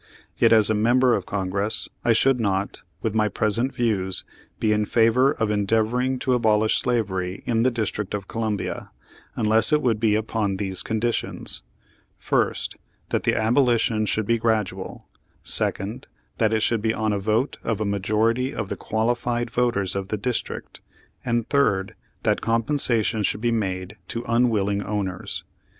Yet as a member of Congress, I should not, with my present views, be in favor of endeav oring to abolish slavery in the District of Columbia, unless it would be upon these conditions : First, that the aboli tion should be gradual; second, that it should be on a vote of a majority of the qualified voters of the District; and third, that compensation should be made to unwilling owners.